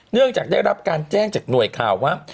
เนื่องจากได้รับการแจ้งจากหน่วยข่าวว่า